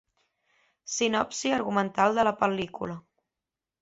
Sinopsi argumental de la pel·lícula.